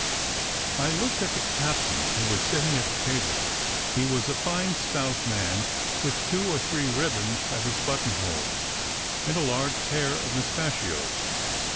I looked at the captain, who was sitting at the table: he was a fine, stout man, with two or three ribands at his button hole, and a large pair of mustachios.